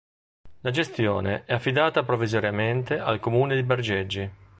La gestione è affidata provvisoriamente al comune di Bergeggi.